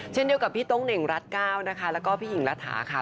เช่นเดียวกับพี่ต้งเหน่งรัฐก้าวแล้วก็พี่หญิงรัฐหา